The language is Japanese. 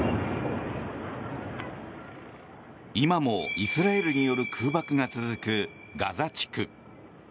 今もイスラエルによる空爆が続くガザ地区。